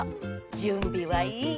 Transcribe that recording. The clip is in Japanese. じゅんびはいい？